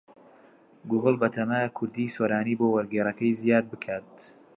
گووگڵ بەتەمایە کوردیی سۆرانی بۆ وەرگێڕەکەی زیاد بکات.